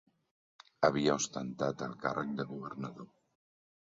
Havia ostentat el càrrec de governador.